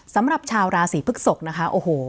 สำหรับชาวราศีพฤกษกนะคะโอ้โห